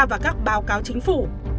và các báo cáo chính phủ